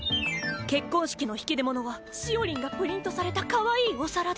結婚式の引き出物はしおりんがプリントされたかわいいお皿で。